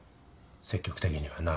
積極的にはな。